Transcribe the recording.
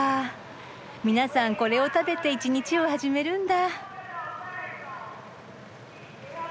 皆さんこれを食べて一日を始めるんだ。